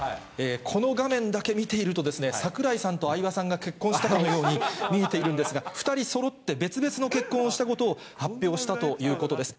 この画面だけ見ていると、櫻井さんと相葉さんが結婚したかのように見えているんですが、２人そろって別々の結婚をしたことを発表したということです。